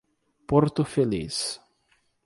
Porto Feliz